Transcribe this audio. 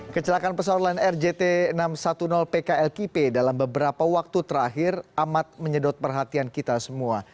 kecelakaan pesawat line rgt enam ratus sepuluh pklkp dalam beberapa waktu terakhir amat menyedot perhatian kita semua